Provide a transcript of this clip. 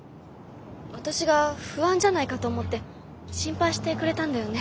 私が不安じゃないかと思って心配してくれたんだよね。